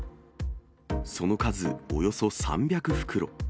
その数およそ３００袋。